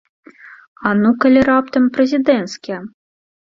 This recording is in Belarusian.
А ну калі раптам прэзідэнцкія?